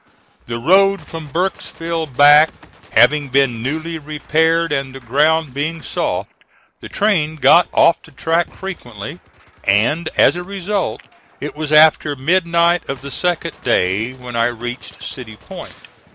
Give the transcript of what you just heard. The road from Burkesville back having been newly repaired and the ground being soft, the train got off the track frequently, and, as a result, it was after midnight of the second day when I reached City Point.